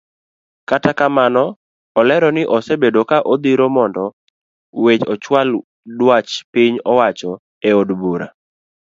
Kata kamano olero ni osebedo ka odhiro mondo ochual duach piny owacho eod bura.